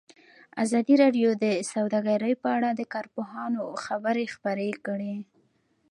ازادي راډیو د سوداګري په اړه د کارپوهانو خبرې خپرې کړي.